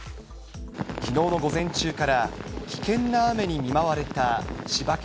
きのうの午前中から、危険な雨に見舞われた千葉県。